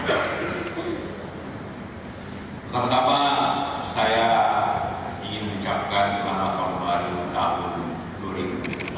pertama tama saya ingin mengucapkan selamat tahun baru tahun dua ribu dua puluh